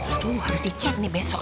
ini tuh harus dicat nih besok